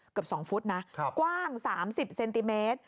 เกือบ๒ฟุตนะกว้าง๓๐เซนติเมตร